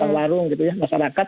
warung gitu ya masyarakat